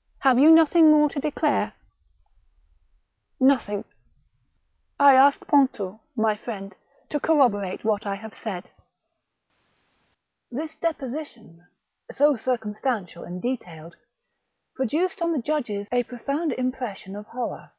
" Have you nothing more to declare ?"" Nothing. I ask Pontou, my friend, to corroborate what I have said." This deposition, so circumstantial and detailed, pro duced on the judges a profound impression of horror.